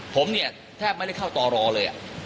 ผมเนี่ยแทบไม่ได้เข้าต่อรอเลย